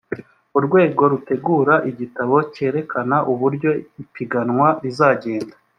urwego rutegura igitabo cyerekana uburyo ipiganwa rizagenda